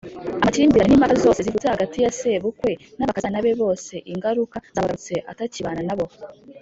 Amakimbirane n’impaka zose zivutse hagati ya Sebukwe n’abakazana be bose ingaruka zabagarutse atakibana nabo.